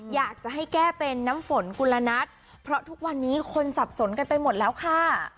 อยากจะให้แก้เป็นน้ำฝนกุลนัทเพราะทุกวันนี้คนสับสนกันไปหมดแล้วค่ะ